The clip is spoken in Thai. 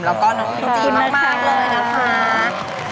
แล้วก็น้องก็ดีมากเลยนะคะ